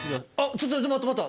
ちょっと待った待った！